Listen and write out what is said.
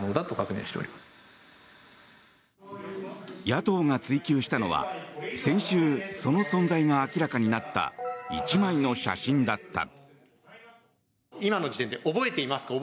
野党が追及したのは先週、その存在が明らかになった１枚の写真だった。